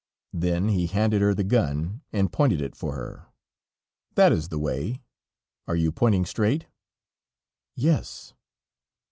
Then he handed her the gun and pointed it for her. "That is the way are you pointing straight?" "Yes."